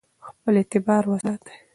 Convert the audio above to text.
خپل اعتبار وساتئ.